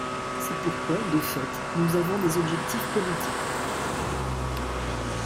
C'est pourquoi, de fait, nous avons des objectifs politiques.